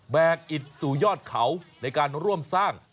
อิดสู่ยอดเขาในการร่วมสร้าง